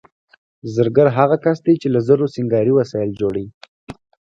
زرګر هغه کس دی چې له زرو سینګاري وسایل جوړوي